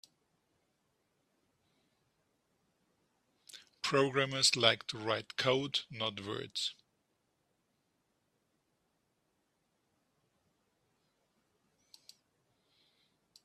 Programmers like to write code; not words.